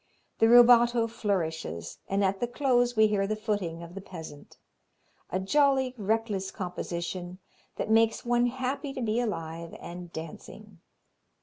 The rubato flourishes, and at the close we hear the footing of the peasant. A jolly, reckless composition that makes one happy to be alive and dancing.